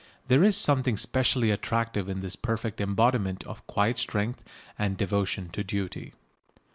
There is something specially attractive in this perfect embodiment of quiet strength and devotion to duty.